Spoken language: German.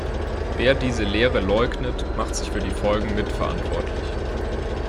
Wer diese Lehre leugnet, macht sich für die Folgen mitverantwortlich.